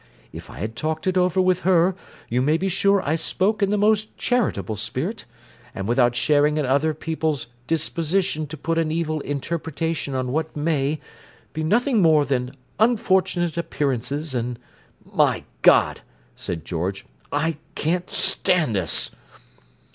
If I talked it over with her, you may be sure I spoke in the most charitable spirit, and without sharing in other people's disposition to put an evil interpretation on what may be nothing more than unfortunate appearances and—" "My God!" said George. "I can't stand this!"